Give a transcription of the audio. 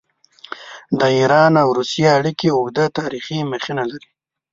د ایران او روسیې اړیکې اوږده تاریخي مخینه لري.